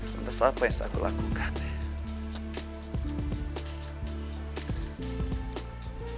terus apa yang harus aku lakukan ya